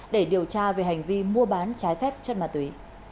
để điều tra về hành vi mua bán trái phép chất mạ tuy